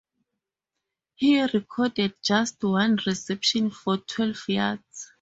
He recorded just one reception for twelve yards.